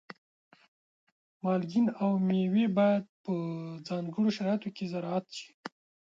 مالګین او مېوې باید په ځانګړو شرایطو کې زراعت شي.